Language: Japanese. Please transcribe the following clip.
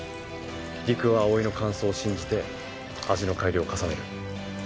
りくは葵の感想を信じて味の改良を重ねる。